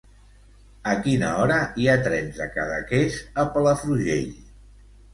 A quina hora hi ha trens de Cadaqués a Palafrugell?